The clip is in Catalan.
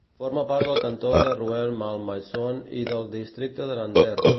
Forma part del cantó de Rueil-Malmaison i del districte de Nanterre.